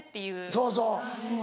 そうそう。